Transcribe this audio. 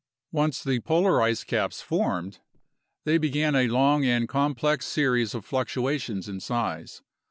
Once the polar ice caps formed, they began a long and complex series of fluctuations in size.